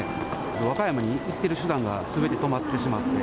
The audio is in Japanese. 和歌山に行ける手段がすべて止まってしまって。